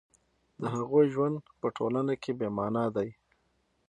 د هغوی ژوند په ټولنه کې بې مانا دی